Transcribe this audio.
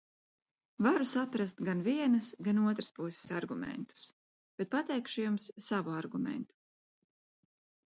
Varu saprast gan vienas, gan otras puses argumentus, bet pateikšu jums savu argumentu.